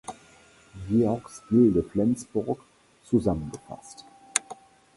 Georgs Gilde Flensborg" zusammengefasst.